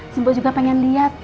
si mbok juga pengen liat